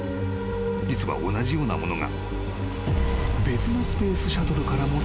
実は同じようなものが］